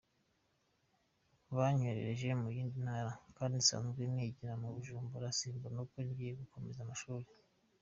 Banyohereje mu yindi ntara kandi nsanzwe nigira mu Bujumbura, simbona uko ngiye kugomeza amashuri”.